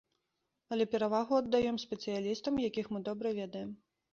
Але перавагу аддаём спецыялістам, якіх мы добра ведаем.